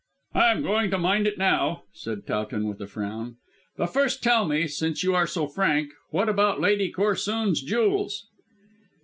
"I am going to mind it now," said Towton with a frown; "but first tell me, since you are so frank, what about Lady Corsoon's jewels?"